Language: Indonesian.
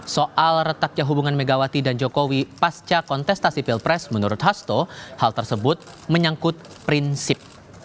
soal retaknya hubungan megawati dan jokowi pasca kontestasi pilpres menurut hasto hal tersebut menyangkut prinsip